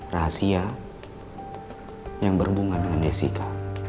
rahasia yang berbunga dengan desika